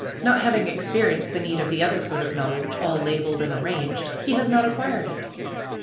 Not having experienced the need of the other sort of knowledge all labeled and arranged he has not acquired it.